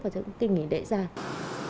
và cũng tìm nghỉ lễ dài